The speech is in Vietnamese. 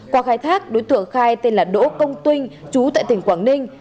qua khai thác đối tượng khai tên là đỗ công vinh chú tại tỉnh quảng ninh